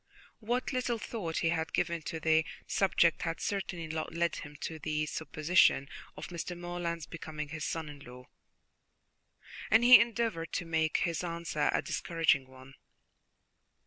What little thought he had given to the subject had certainly not led him to the supposition of Mr. Morland's becoming his son in law, and he endeavoured to make his answer a discouraging one.